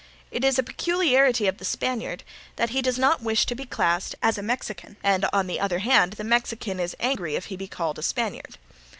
It is a peculiarity of the Spaniard that he does not wish to be classed as a Mexican, and on the other hand the Mexican is angry if he be called a Spaniard.